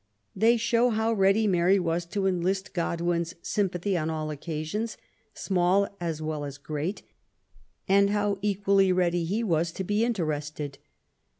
They show how ready Mary was to ealist Godwin's sympathy on all occasions^ small as well aa great, and how equally ready he was to be interested.